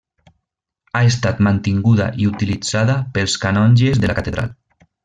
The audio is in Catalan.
Ha estat mantinguda i utilitzada pels canonges de la catedral.